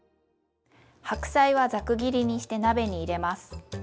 白菜はざく切りにして鍋に入れます。